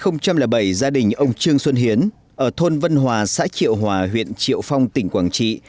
năm hai nghìn bảy gia đình ông trương xuân hiến ở thôn vân hòa xã triệu hòa huyện triệu phong tỉnh quảng trị